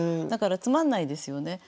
だからつまんないですよね。